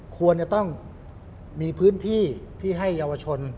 ควรจะต้องมีพื้นที่ที่ให้เยาวชน